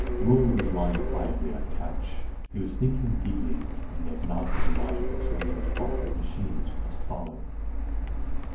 Roal was lying quietly on a couch. He was thinking deeply, and yet not with the logical trains of thought that machines must follow.